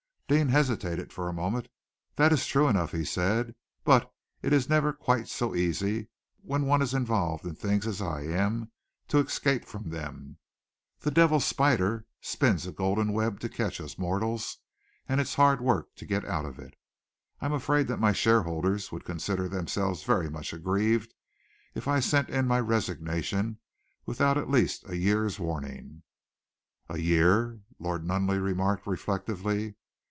Deane hesitated for a moment. "That is true enough," he said, "but it is never quite so easy, when one is involved in things as I am, to escape from them. The Devil Spider spins a golden web to catch us mortals, and it's hard work to get out of it. I am afraid that my shareholders would consider themselves very much aggrieved if I sent in my resignation without at least a year's warning." "A year," Lord Nunneley remarked reflectively.